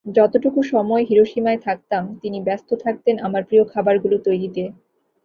যতটুকু সময় হিরোশিমায় থাকতাম তিনি ব্যস্ত থাকতেন আমার প্রিয় খাবারগুলো তৈরিতে।